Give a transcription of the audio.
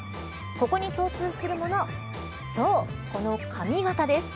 ここに共通するものそう、この髪型です。